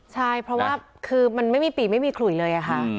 ใช่เพราะว่าคือมันไม่มีปีไม่มีขลุยเลยค่ะ